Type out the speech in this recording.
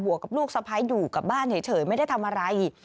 วกกับลูกสะพ้ายอยู่กับบ้านเฉยไม่ได้ทำอะไร